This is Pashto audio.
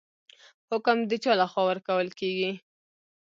حکم د چا لخوا ورکول کیږي؟